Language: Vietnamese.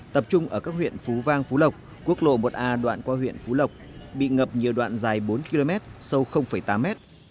tập trung ở các huyện phú vang phú lộc quốc lộ một a đoạn qua huyện phú lộc bị ngập nhiều đoạn dài bốn km sâu tám mét